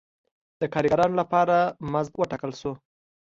د کارګرانو لپاره مزد وټاکل شو.